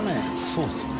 そうですね。